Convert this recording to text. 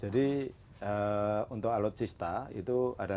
jadi untuk alutsista itu ada enam lima t